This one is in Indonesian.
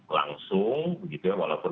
langsung gitu ya walaupun